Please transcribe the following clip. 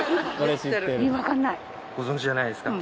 ご存じじゃないですか？